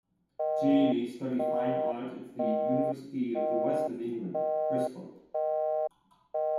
Jamie studied fine art at the University of the West of England, Bristol.